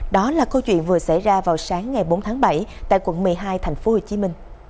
đó là câu chuyện vừa xảy ra vào sáng ngày bốn tháng bảy tại quận một mươi hai tp hcm